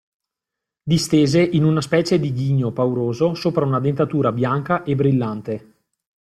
Distese in una specie di ghigno pauroso sopra una dentatura bianca e brillante.